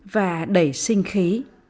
và đầy sinh khí